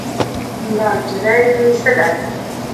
دا نجلۍ دې څه ده؟